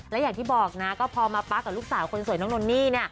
และอย่างที่บอกนะก็พอมาปักกับลูกสาวโทรนนิดนี้